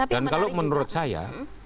dan kalau menurut saya